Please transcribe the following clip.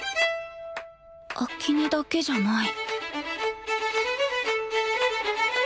秋音だけじゃない